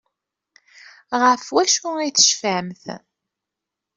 Ɣef wacu ay tecfamt?